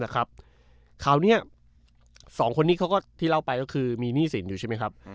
คราวนี้๒คนนี้เขาก็ที่เล่าไปก็คือมีหนี้สินอยู่ใช่ไหมครับ